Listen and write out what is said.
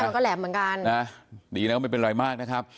ก็แหลมเหมือนกันนะดีนะว่าไม่เป็นไรมากนะครับ